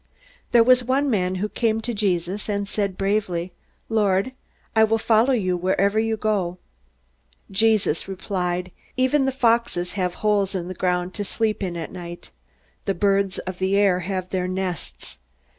There was one man who came to Jesus, and said bravely, "Lord, I will follow you wherever you go!" Jesus replied: "Even the foxes have holes in the ground to sleep in at night. The birds of the air have their nests.